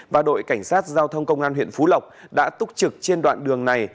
và đội cảnh sát giao thông công an huyện phú lộc đã túc trực trên đoạn đường này